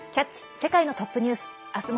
世界のトップニュース」。